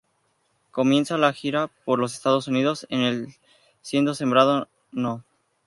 Comienza la gira por los Estados Unidos en el siendo sembrado No.